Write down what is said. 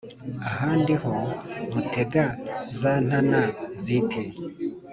ahanndi ho mutega zantana zite